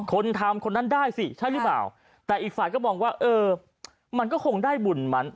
คนทำคนนั้นได้สิใช่หรือเปล่าแต่อีกฝ่ายก็มองว่าเออมันก็คงได้บุญมัน